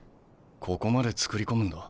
ここまで作り込むんだ。